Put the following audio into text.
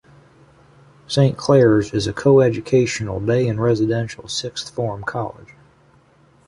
Saint Clare's is a co-educational day and residential sixth form college.